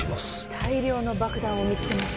大量の爆弾を見つけました。